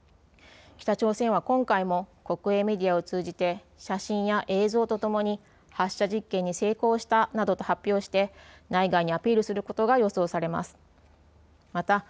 北朝鮮は今回も国営メディアを通じて写真や映像とともに発射実験に成功したなどと発表して内外にアピールすることが予想されます。